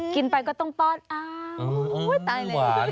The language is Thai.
กินไปก็ต้องปอดอ้าวตายเลย